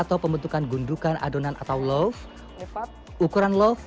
kita bisa bilang oke selama tidur gitu ya